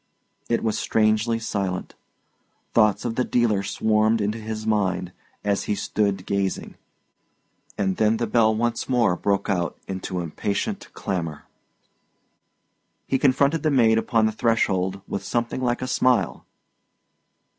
It was strangely silent. Thoughts of the dealer swarmed into his mind, as he stood gazing. And then the bell once more broke out into impatient clamour. He confronted the maid upon the threshold with something like a smile.